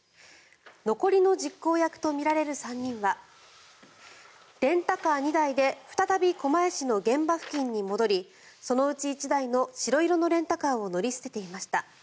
残りの実行役とみられる３人はレンタカー２台で再び狛江市の現場付近に戻りそのうち１台の白色のレンタカーを乗り捨てていました。